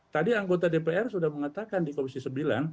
tadi anggota dpr sudah mengatakan di komisi sembilan